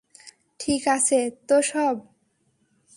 ঠিক আছে তো সব?